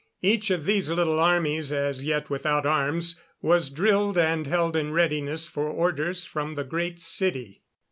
Each of these little armies, as yet without arms, was drilled and held in readiness for orders from the Great City.